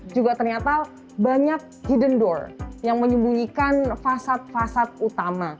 juga ternyata banyak hidden door yang menyembunyikan fasad fasad utama